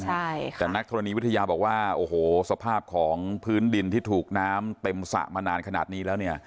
แต่นักธรณีวิทยาบอกว่าสภาพของพื้นดินที่ถูกน้ำเต็มสระมานานขนาดนี้แล้ว